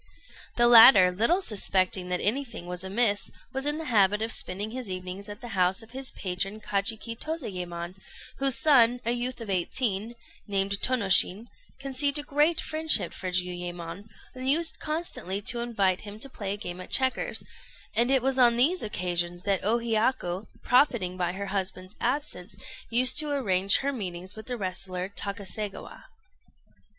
The latter, little suspecting that anything was amiss, was in the habit of spending his evenings at the house of his patron Kajiki Tozayémon, whose son, a youth of eighteen, named Tônoshin, conceived a great friendship for Jiuyémon, and used constantly to invite him to play a game at checkers; and it was on these occasions that O Hiyaku, profiting by her husband's absence, used to arrange her meetings with the wrestler Takaségawa.